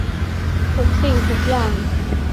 ทุกสิ่งทุกอย่าง